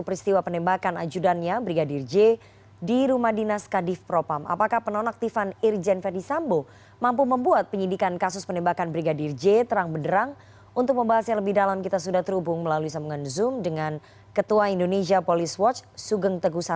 ketua indonesia police watch sugeng teguh santoso selamat sore pak sugeng